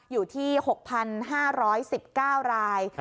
อยู่ที่๖๕๑๙ราย